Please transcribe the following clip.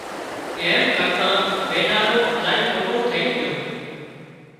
ايم ڪرتان مينارو الاهي موٽو ٿئي جھو